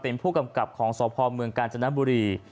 เป็นผู้กำกับของสพเมืองกาญจนบุรี